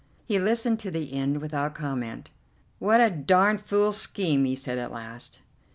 He listened to the end without comment. "What a darned fool scheme," he said at last.